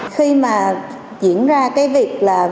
khi mà diễn ra cái việc là